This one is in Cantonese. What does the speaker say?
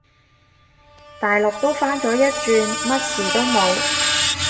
大陸都返咗一轉，乜事都冇